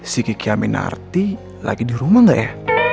si kiki aminarti lagi di rumah gak ya